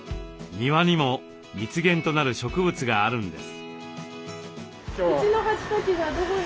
庭にも蜜源となる植物があるんです。